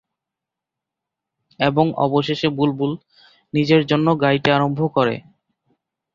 এবং অবশেষে বুলবুল নিজের জন্য গাইতে আরম্ভ করে।